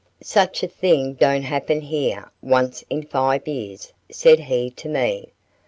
"Such a thing don't happen here once in five years," said he to me.